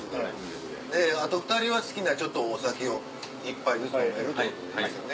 であと２人は好きなお酒を１杯ずつ飲めるということでいいですよね